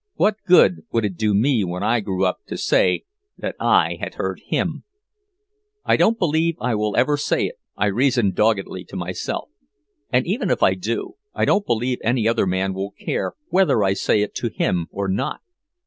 What good would it do me when I grew up to say that I had heard him? "I don't believe I will ever say it," I reasoned doggedly to myself. "And even if I do, I don't believe any other man will care whether I say it to him or not."